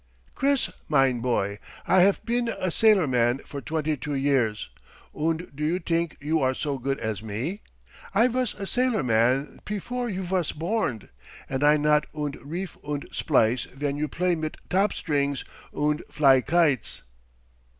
Chris, mine boy, I haf ben a sailorman for twenty two years, und do you t'ink you are so good as me? I vas a sailorman pefore you vas borned, und I knot und reef und splice ven you play mit topstrings und fly kites."